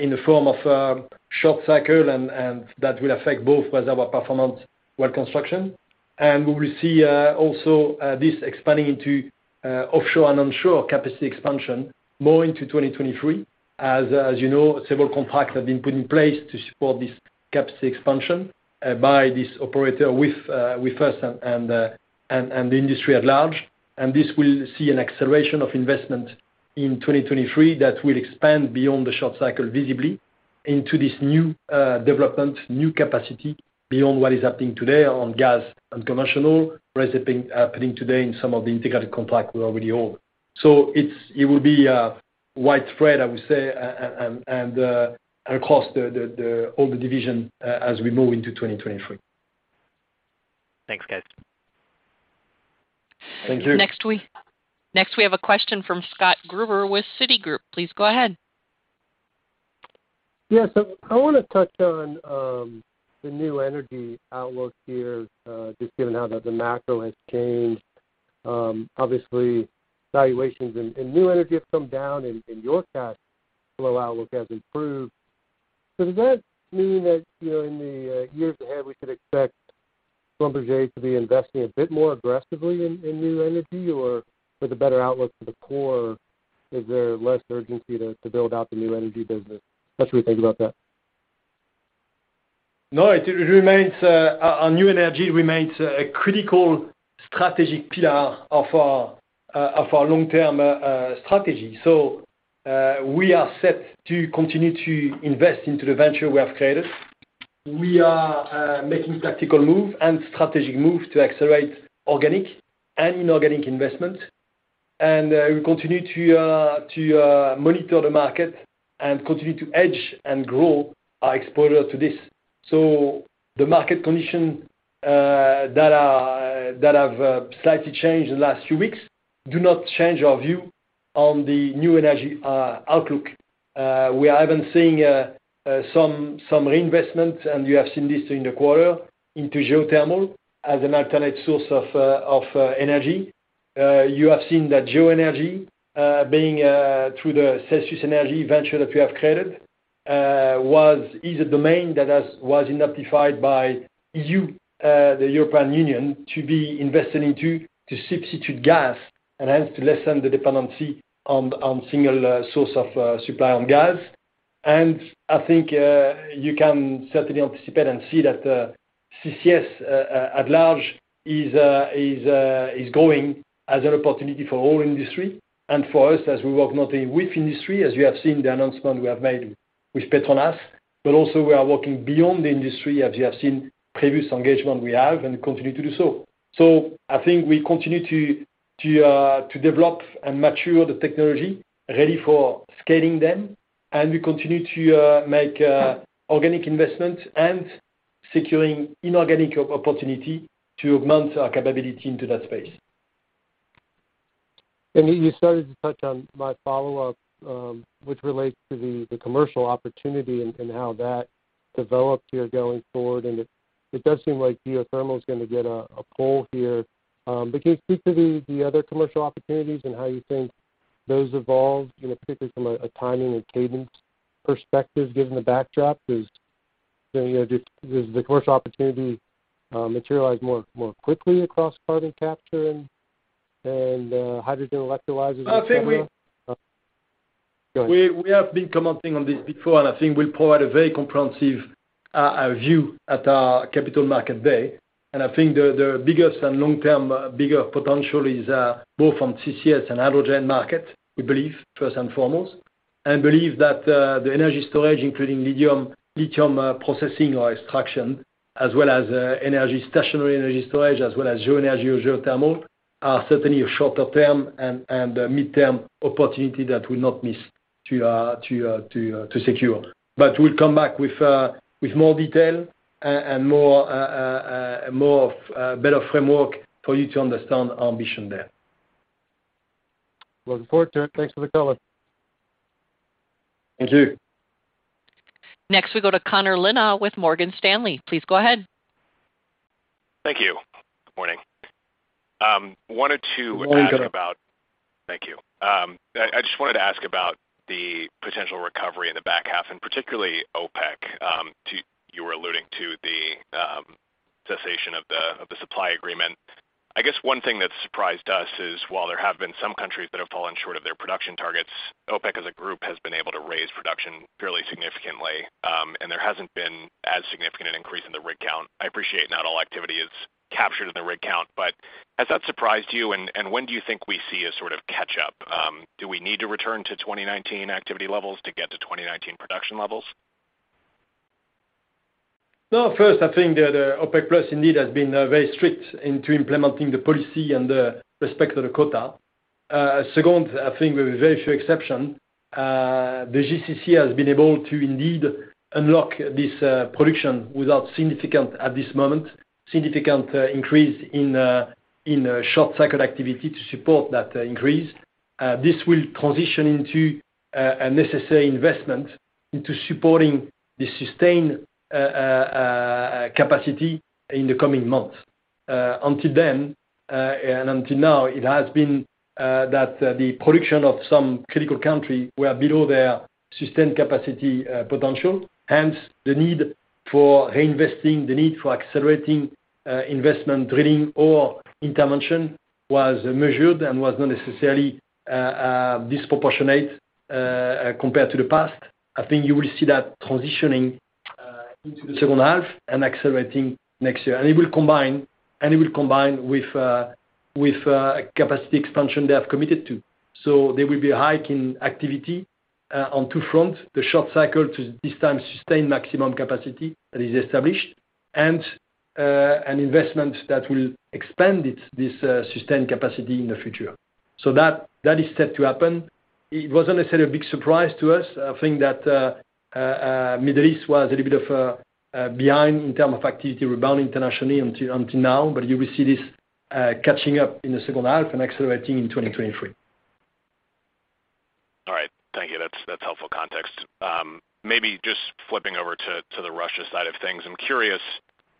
in the form of short cycle and that will affect both Reservoir Performance, Well Construction. We will see also this expanding into offshore and onshore capacity expansion more into 2023. As you know, several contracts have been put in place to support this capacity expansion by this operator with us and the industry at large. This will see an acceleration of investment in 2023 that will expand beyond the short cycle visibly into this new development, new capacity beyond what is happening today on gas and conventional, where it's happening today in some of the integrated contract we already own. It will be widespread, I would say, and across all the division as we move into 2023. Thanks, guys. Thank you. Next we have a question from Scott Gruber with Citigroup. Please go ahead. Yes. I wanna touch on the new energy outlook here just given how the macro has changed. Obviously valuations in new energy have come down and your cash flow outlook has improved. Does that mean that you know in the years ahead we could expect Schlumberger to be investing a bit more aggressively in new energy? Or with a better outlook for the core is there less urgency to build out the new energy business? What should we think about that? No, it remains, on New Energy remains a critical strategic pillar of our long-term strategy. We are set to continue to invest into the venture we have created. We are making tactical move and strategic move to accelerate organic and inorganic investments. We continue to monitor the market and continue to hedge and grow our exposure to this. The market conditions that have slightly changed in the last few weeks do not change our view on the New Energy outlook. We are even seeing some reinvestment, and you have seen this in the quarter into geothermal as an alternate source of energy. You have seen that geo energy through the Celsius Energy venture that we have created is a domain that was identified by the EU, the European Union, to be invested into to substitute gas and hence to lessen the dependency on single source of supply of gas. I think you can certainly anticipate and see that CCS at large is growing as an opportunity for oil industry and for us as we work not only with industry as you have seen the announcement we have made with PETRONAS. We are working beyond the industry as you have seen previous engagement we have and continue to do so. I think we continue to develop and mature the technology ready for scaling them, and we continue to make organic investments and securing inorganic opportunity to mount our capability into that space. You started to touch on my follow-up, which relates to the commercial opportunity and how that develops here going forward. It does seem like geothermal is gonna get a pull here. But can you speak to the other commercial opportunities and how you think those evolve, you know, particularly from a timing and cadence perspective, given the backdrop? Does, you know, the commercial opportunity materialize more quickly across carbon capture and hydrogen electrolyzers, et cetera? We have been commenting on this before, and I think we'll provide a very comprehensive view at our Capital Markets Day. I think the biggest and long-term bigger potential is both from CCS and hydrogen market, we believe, first and foremost. Believe that the energy storage, including lithium processing or extraction, as well as stationary energy storage, as well as geo energy or geothermal, are certainly a shorter term and a midterm opportunity that we'll not miss to secure. We'll come back with more detail and a better framework for you to understand our ambition there. Looking forward to it. Thanks for the color. Thank you. Next we go to Connor Lynagh with Morgan Stanley. Please go ahead. Thank you. Good morning. I wanted to ask about— Good morning, Connor. Thank you. I just wanted to ask about the potential recovery in the back half, and particularly OPEC, you were alluding to the cessation of the supply agreement. I guess one thing that surprised us is while there have been some countries that have fallen short of their production targets, OPEC as a group has been able to raise production fairly significantly, and there hasn't been as significant an increase in the rig count. I appreciate not all activity is captured in the rig count, but has that surprised you, and when do you think we see a sort of catch-up? Do we need to return to 2019 activity levels to get to 2019 production levels? No, first, I think the OPEC+ indeed has been very strict in implementing the policy and the respect of the quota. Second, I think with very few exceptions, the GCC has been able to indeed unlock this production without significant, at this moment, increase in short-cycle activity to support that increase. This will transition into a necessary investment in supporting the sustained capacity in the coming months. Until then and until now, it has been that the production of some critical countries were below their sustained capacity potential, hence the need for reinvesting, the need for accelerating investment drilling or intervention was measured and was not necessarily disproportionate compared to the past. I think you will see that transitioning into the second half and accelerating next year. It will combine with capacity expansion they have committed to. There will be a hike in activity on two fronts, the short cycle to this time sustain maximum capacity that is established and an investment that will expand it, this sustained capacity in the future. That is set to happen. It wasn't necessarily a big surprise to us. I think that Middle East was a little bit behind in terms of activity rebound internationally until now, but you will see this catching up in the second half and accelerating in 2023. All right. Thank you. That's helpful context. Maybe just flipping over to the Russia side of things. I'm curious,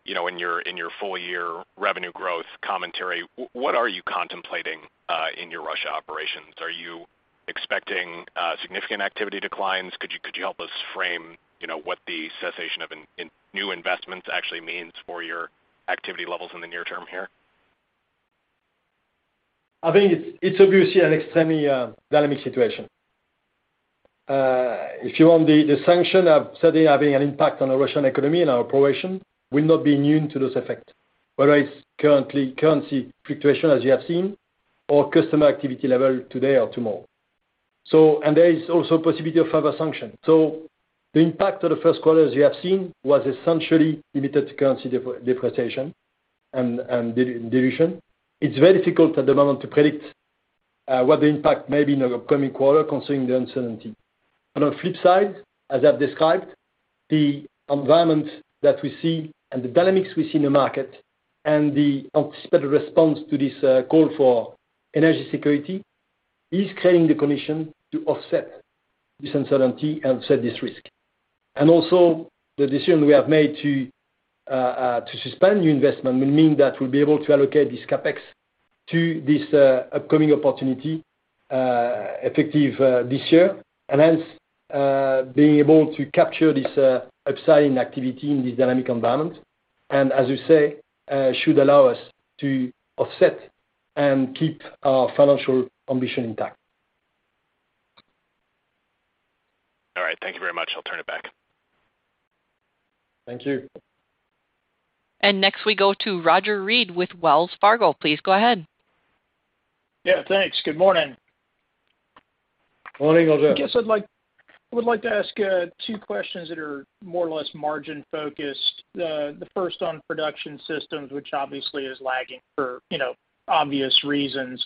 you know, in your full-year revenue growth commentary, what are you contemplating in your Russia operations? Are you expecting significant activity declines? Could you help us frame, you know, what the cessation of new investments actually means for your activity levels in the near term here? I think it's obviously an extremely dynamic situation. If you look at the sanctions are certainly having an impact on the Russian economy and our operations. We will not be immune to those effects, whether it's current currency fluctuation as you have seen or customer activity levels today or tomorrow. There is also the possibility of further sanctions. The impact of the first quarter, as you have seen, was essentially limited to currency depreciation and dilution. It's very difficult at the moment to predict what the impact may be in the upcoming quarter considering the uncertainty. On the flip side, as I've described the environment that we see and the dynamics we see in the market and the anticipated response to this call for energy security is creating the condition to offset this uncertainty and offset this risk. The decision we have made to suspend new investment will mean that we'll be able to allocate this CapEx to this upcoming opportunity effective this year. Hence, being able to capture this upside in activity in this dynamic environment, and as you say, should allow us to offset and keep our financial ambition intact. All right. Thank you very much. I'll turn it back. Thank you. Next, we go to Roger Read with Wells Fargo. Please go ahead. Yeah, thanks. Good morning. Morning, Roger. I would like to ask two questions that are more or less margin-focused. The first on Production Systems, which obviously is lagging for, you know, obvious reasons.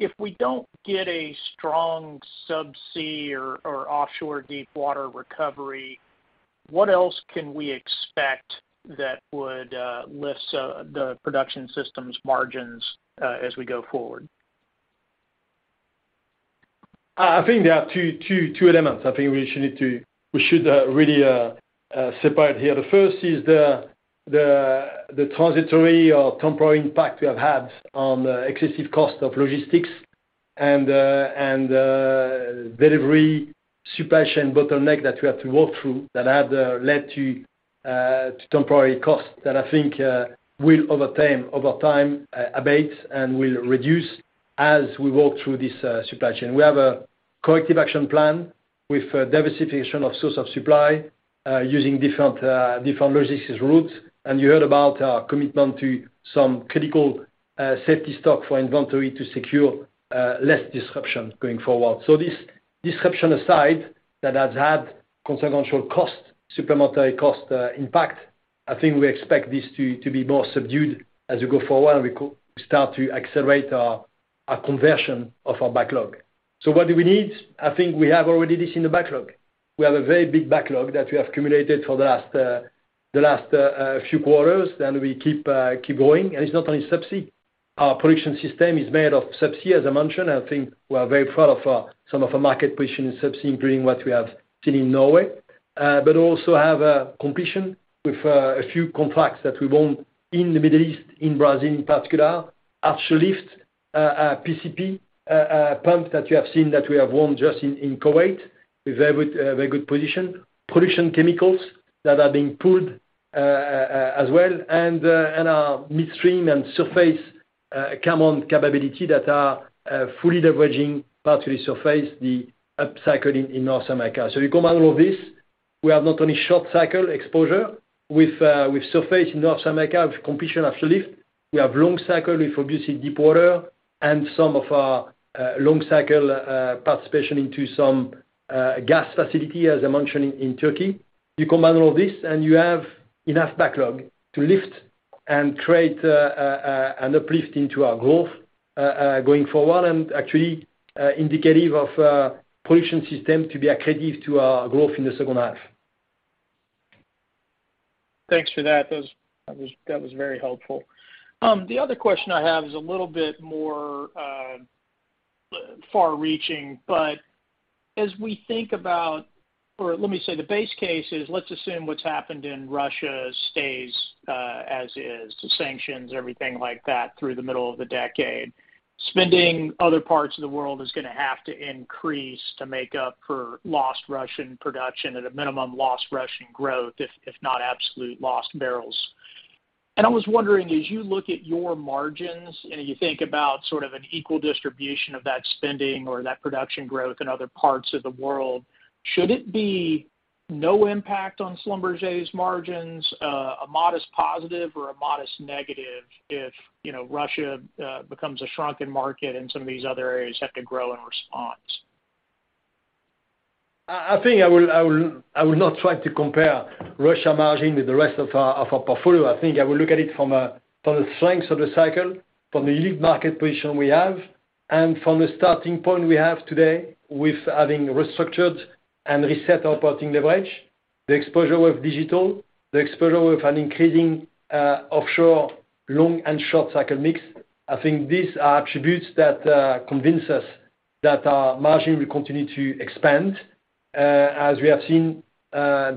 If we don't get a strong subsea or offshore deepwater recovery, what else can we expect that would lift the Production Systems margins as we go forward? I think there are two elements. I think we should really separate here. The first is the transitory or temporary impact we have had on the excessive cost of logistics and the delivery suppression bottleneck that we have to work through that have led to temporary costs that I think will over time abate and will reduce as we work through this supply chain. We have a corrective action plan with diversification of source of supply using different logistics routes. You heard about our commitment to some critical safety stock for inventory to secure less disruption going forward. This disruption aside that has had consequential cost, supplementary cost, impact, I think we expect this to be more subdued as we go forward, and we could start to accelerate our conversion of our backlog. What do we need? I think we have already this in the backlog. We have a very big backlog that we have accumulated for the last few quarters, and we keep going. It's not only subsea. Our Production Systems is made of subsea, as I mentioned. I think we are very proud of some of our market position in subsea, including what we have seen in Norway. Also have a completion with a few contracts that we won in the Middle East, in Brazil, in particular. Artificial lift, PCP pump that you have seen, that we have won just in Kuwait, with very good position. Production chemicals that are being pulled, as well. Our midstream and surface command capability that are fully leveraging, partly surfacing the upcycle in North America. You combine all this, we have not only short-cycle exposure with surface in North America, with completion of artificial lift. We have long cycle with obviously deepwater and some of our long cycle participation into some gas facility, as I mentioned in Turkey. You combine all this and you have enough backlog to lift and create an uplift into our growth going forward, and actually indicative of Production Systems to be accretive to our growth in the second half. Thanks for that. That was very helpful. The other question I have is a little bit more far-reaching, but the base case is let's assume what's happened in Russia stays as is, the sanctions and everything like that through the middle of the decade. Spending other parts of the world is gonna have to increase to make up for lost Russian production, at a minimum, lost Russian growth, if not absolute lost barrels. I was wondering, as you look at your margins and you think about sort of an equal distribution of that spending or that production growth in other parts of the world, should it be no impact on Schlumberger's margins, a modest positive or a modest negative if, you know, Russia becomes a shrunken market and some of these other areas have to grow in response? I think I will not try to compare Russia margin with the rest of our portfolio. I think I will look at it from the strengths of the cycle, from the lead market position we have, and from the starting point we have today with having restructured and reset our operating leverage. The exposure of digital, the exposure of an increasing offshore long- and short-cycle mix. I think these are attributes that convince us that our margin will continue to expand. As we have seen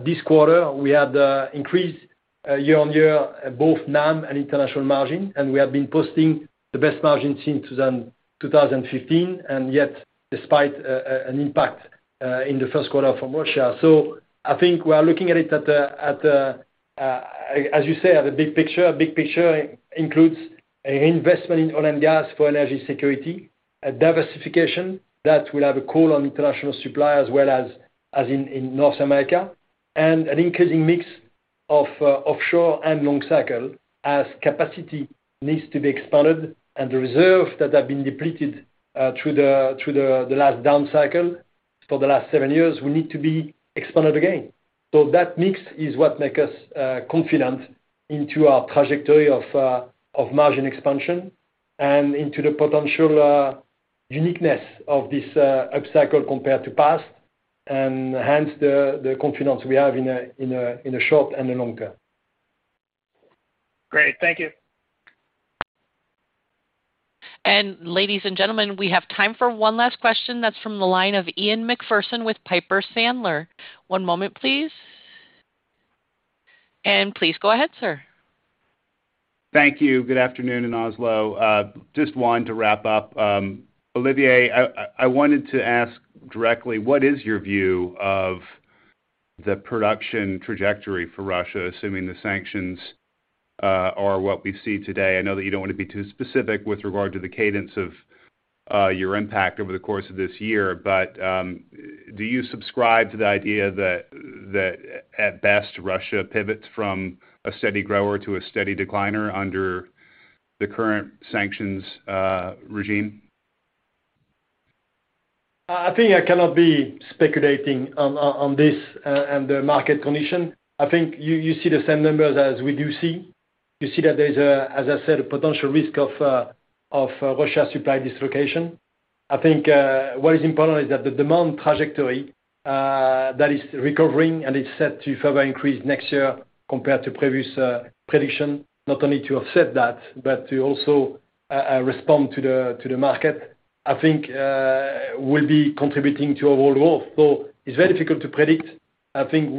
this quarter, we had increased year-on-year both NAM and international margin, and we have been posting the best margin since 2015, and yet despite an impact in the first quarter from Russia. I think we are looking at it, as you say, at the big picture. Big picture includes an investment in oil and gas for energy security, a diversification that will have a call on international supply as well as in North America, and an increasing mix of offshore and long cycle as capacity needs to be expanded and the reserves that have been depleted through the last down cycle for the last seven years will need to be expanded again. That mix is what make us confident into our trajectory of margin expansion and into the potential uniqueness of this upcycle compared to past and hence the confidence we have in a short and the long term. Great. Thank you. Ladies and gentlemen, we have time for one last question. That's from the line of Ian MacPherson with Piper Sandler. One moment, please. Please go ahead, sir. Thank you. Good afternoon in Oslo. Just wanted to wrap up. Olivier, I wanted to ask directly, what is your view of the production trajectory for Russia, assuming the sanctions are what we see today? I know that you don't want to be too specific with regard to the cadence of your impact over the course of this year, but do you subscribe to the idea that at best, Russia pivots from a steady grower to a steady decliner under the current sanctions regime? I think I cannot be speculating on this and the market condition. I think you see the same numbers as we do see. You see that there's, as I said, a potential risk of Russia supply dislocation. I think what is important is that the demand trajectory that is recovering and is set to further increase next year compared to previous prediction, not only to offset that, but to also respond to the market, I think, will be contributing to overall growth. It's very difficult to predict. I think.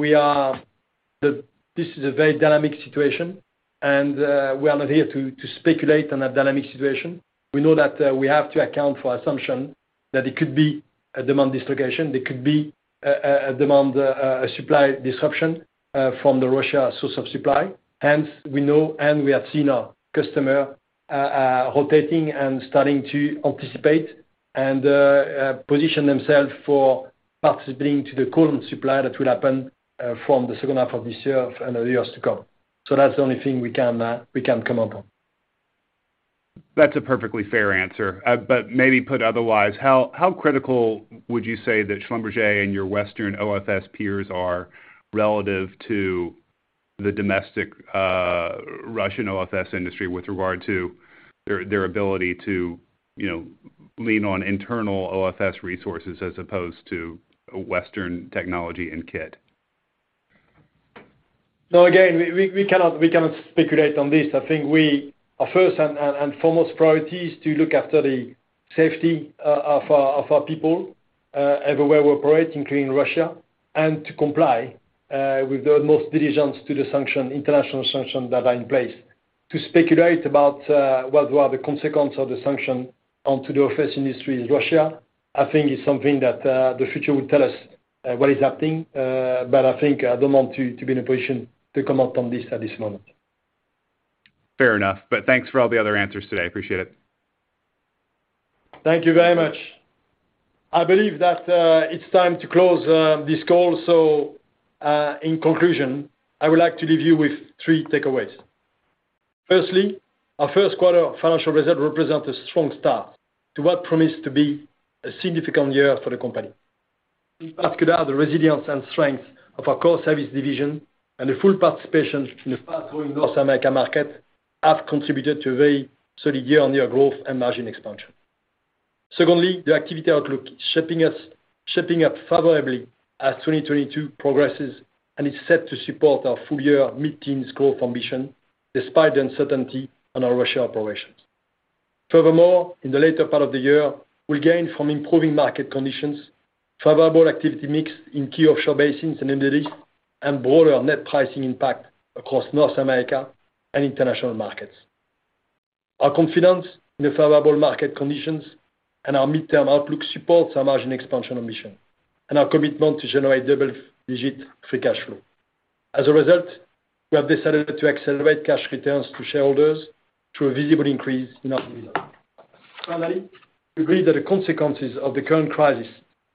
This is a very dynamic situation, and we are not here to speculate on a dynamic situation. We know that we have to account for assumption that it could be a demand dislocation, there could be a demand— a supply disruption from the Russian source of supply, hence we know and we have seen our customer rotating and starting to anticipate and position themselves for participating to the call on supply that will happen from the second half of this year and the years to come. That's the only thing we can comment on. That's a perfectly fair answer. Maybe put otherwise, how critical would you say that Schlumberger and your Western OFS peers are relative to the domestic Russian OFS industry with regard to their ability to, you know, lean on internal OFS resources as opposed to Western technology and kit? No, again, we cannot speculate on this. I think our first and foremost priority is to look after the safety of our people everywhere we operate, including Russia, and to comply with the utmost diligence to the sanctions, international sanctions that are in place. To speculate about what are the consequences of the sanctions on the OFS industry in Russia, I think it's something that the future will tell us what is happening, but I think I don't want to be in a position to comment on this at this moment. Fair enough. Thanks for all the other answers today. I appreciate it. Thank you very much. I believe that, it's time to close, this call. In conclusion, I would like to leave you with three takeaways. Firstly, our first quarter financial result represent a strong start to what promised to be a significant year for the company. In particular, the resilience and strength of our core service division and the full participation in the fast-growing North America market have contributed to a very solid year-on-year growth and margin expansion. Secondly, the activity outlook is shaping up favorably as 2022 progresses and is set to support our full-year mid-teens growth ambition despite the uncertainty on our Russia operations. Furthermore, in the later part of the year, we'll gain from improving market conditions, favorable activity mix in key offshore basins in the Middle East, and broader net pricing impact across North America and international markets. Our confidence in the favorable market conditions and our midterm outlook supports our margin expansion ambition and our commitment to generate double-digit free cash flow. As a result, we have decided to accelerate cash returns to shareholders through a visible increase in our dividend. Finally, we believe that the consequences of the current crisis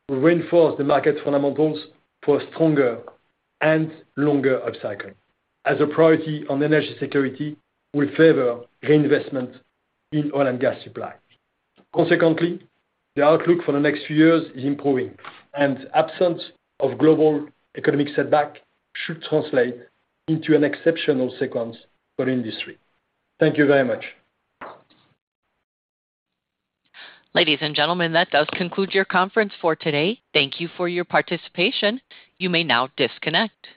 will reinforce the market fundamentals for a stronger and longer upcycle as a priority on energy security will favor reinvestment in oil and gas supply. Consequently, the outlook for the next few years is improving and absence of global economic setback should translate into an exceptional sequence for industry. Thank you very much. Ladies and gentlemen, that does conclude your conference for today. Thank you for your participation. You may now disconnect.